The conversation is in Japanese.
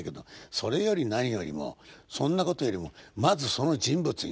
それより何よりもそんなことよりもまずその人物になること。